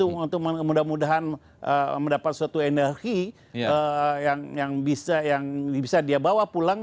untuk mudah mudahan mendapat suatu energi yang bisa dia bawa pulang